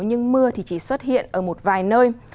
nhưng mưa thì chỉ xuất hiện ở một vài nơi